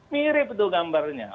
mirip tuh gambarnya